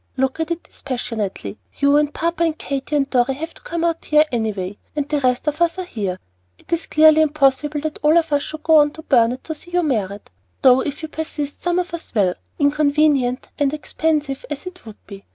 "Look at it dispassionately. You and papa and Katy and Dorry have got to come out here any way, the rest of us are here; and it is clearly impossible that all of us should go on to Burnet to see you married, though if you persist some of us will, inconvenient and expensive as it would be.